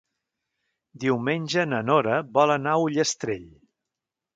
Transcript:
Diumenge na Nora vol anar a Ullastrell.